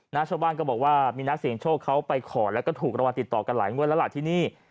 ชาวบ้านก็บอกว่ามีนักเสียงโชคเขาไปขอแล้วก็ถูกรางวัลติดต่อกันหลายงวดแล้วล่ะที่นี่